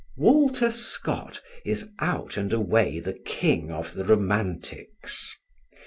Walter Scott is out and away the king of the romantics.